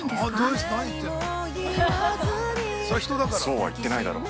◆そうは言ってないだろ。